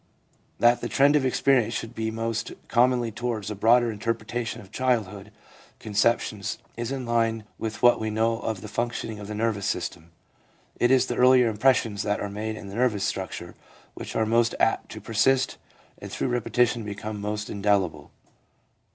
That the trend of experience should be most com monly towards a broader interpretation of childhood con ceptions is in line with what we know of the functioning of the nervous system. It is the earlier impressions that are made in the nervous structure which are most apt to persist and through repetition become most indelible.